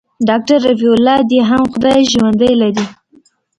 ډاکتر رفيع الله دې هم خداى ژوندى لري.